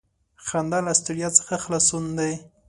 • خندا له ستړیا څخه خلاصون دی.